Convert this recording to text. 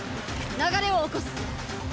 流れを起こす！